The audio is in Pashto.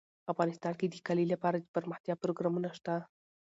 افغانستان کې د کلي لپاره دپرمختیا پروګرامونه شته.